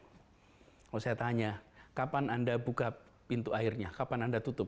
kalau saya tanya kapan anda buka pintu airnya kapan anda tutup